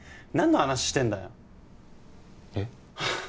何の話してんだよえっ？